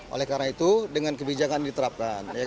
oleh karena itu dengan kebijakan diterapkan